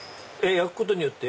焼くことによって？